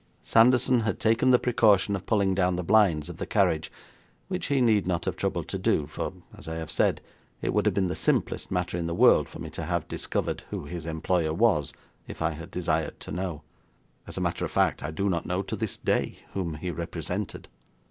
Sanderson had taken the precaution of pulling down the blinds of the carriage, which he need not have troubled to do, for, as I have said, it would have been the simplest matter in the world for me to have discovered who his employer was, if I had desired to know. As a matter of fact, I do not know to this day whom he represented.